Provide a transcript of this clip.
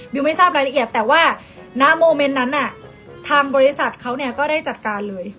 ไม่ทราบรายละเอียดแต่ว่าณโมเมนต์นั้นน่ะทางบริษัทเขาก็ได้จัดการเลย